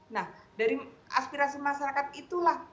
nah dari aspirasi masyarakat itulah